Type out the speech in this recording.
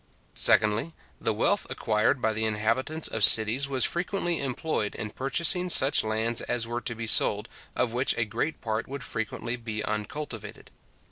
Secondly, the wealth acquired by the inhabitants of cities was frequently employed in purchasing such lands as were to be sold, of which a great part would frequently be uncultivated.